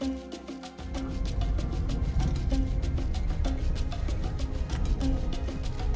ini rumah sakit